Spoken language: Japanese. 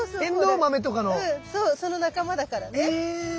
うんそうその仲間だからね。へ。